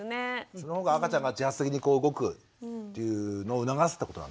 その方が赤ちゃんが自発的に動くっていうのを促すってことなんですね？